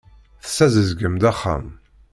Tessazedgem-d axxam.